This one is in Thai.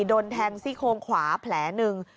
โดนแทงซี่โครงขวาแผลหนึ่ง